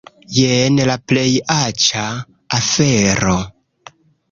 Jen la plej aĉa afero!